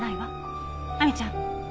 亜美ちゃん